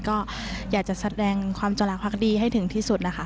ก็อยากจะแสดงความจงรักภักดีให้ถึงที่สุดนะคะ